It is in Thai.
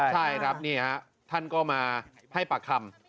ใช่ครับท่านก็มาให้ปากคำ